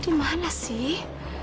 di mana sih